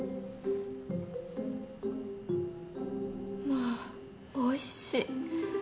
まあおいしい。